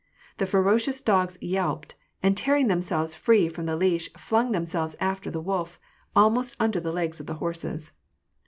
The ferocious dogs yelped, and, tearing themselves free from the leash, flung themselves after the wolf, almost under the legs of the horses.